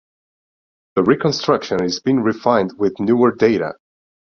The reconstruction is being refined with newer data.